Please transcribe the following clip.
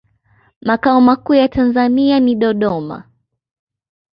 makao makuu ya tanzania ni dodoma